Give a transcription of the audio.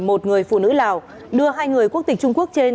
một người phụ nữ lào đưa hai người quốc tịch trung quốc trên